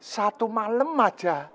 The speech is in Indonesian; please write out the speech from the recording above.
satu malam aja